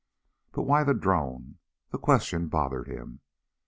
But why the drone? The question bothered him.